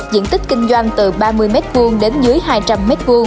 diện tích kinh doanh từ ba mươi m hai đến dưới hai trăm linh m hai